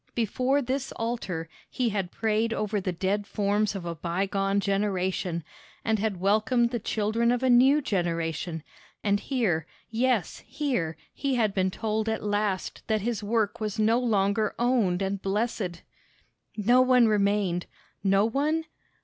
Before this altar he had prayed over the dead forms of a bygone generation, and had welcomed the children of a new generation; and here, yes, here, he had been told at last that his work was no longer owned and blessed! No one remained no one?